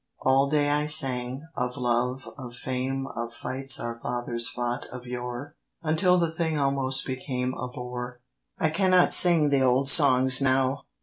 All day I sang; of love, of fame, Of fights our fathers fought of yore, Until the thing almost became A bore. I cannot sing the old songs now!